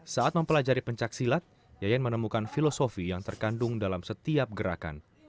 saat mempelajari pencaksilat yayan menemukan filosofi yang terkandung dalam setiap gerakan